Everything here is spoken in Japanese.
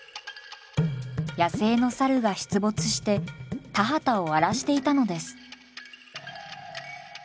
野生のサルが出没して田畑を荒らしていたのです。